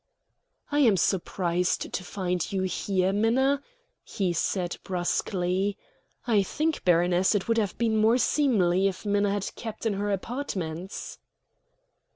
"I am surprised to find you here, Minna," he said bruskly. "I think, baroness, it would have been more seemly if Minna had kept in her apartments."